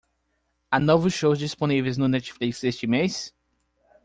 Há novos shows disponíveis no Netflix este mês?